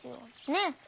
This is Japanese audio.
ねえ。